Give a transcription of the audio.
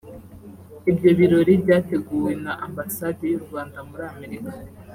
Ibyo birori byateguwe na Ambasade y’u Rwanda muri Amerika